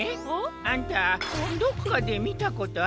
あんたどっかでみたことあるような。